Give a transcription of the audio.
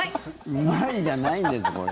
うまいじゃないんです。